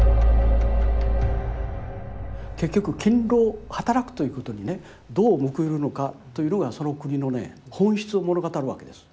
結局勤労働くということにねどう報いるのかというのがその国のね本質を物語るわけです。